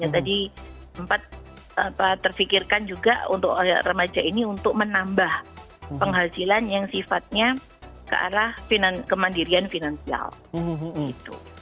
tadi sempat terfikirkan juga untuk remaja ini untuk menambah penghasilan yang sifatnya ke arah kemandirian finansial gitu